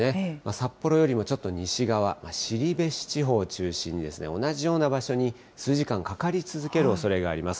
札幌よりもちょっと西側、後志地方を中心に同じような場所に数時間かかり続けるおそれがあります。